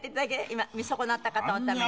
今見損なった方のために。